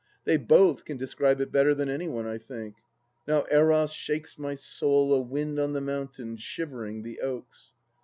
They both can describe it better than any one, I think. Now Eros shakes my soul, a wind on the mountain, shivering the oaks.